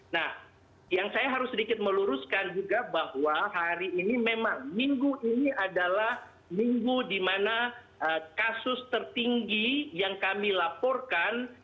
nah yang saya harus sedikit meluruskan juga bahwa hari ini memang minggu ini adalah minggu di mana kasus tertinggi yang kami laporkan